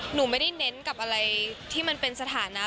หนูไม่ได้เน้นกับอะไรที่มันเป็นสถานะ